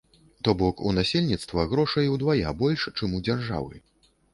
То бок, у насельніцтва грошай удвая больш, чым у дзяржавы.